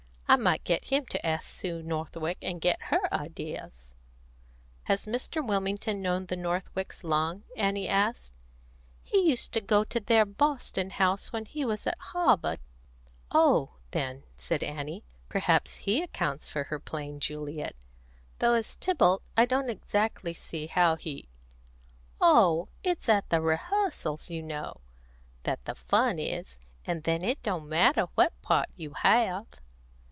I might get him to ask Sue Northwick, and get her ideas." "Has Mr. Wilmington known the Northwicks long?" Annie asked. "He used to go to their Boston house when he was at Harvard." "Oh, then," said Annie, "perhaps he accounts for her playing Juliet; though, as Tybalt, I don't see exactly how he " "Oh, it's at the rehearsals, you know, that the fun is, and then it don't matter what part you have."